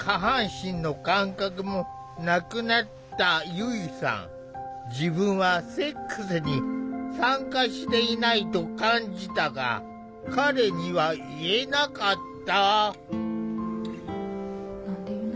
やがて自分はセックスに参加していないと感じたが彼には言えなかった。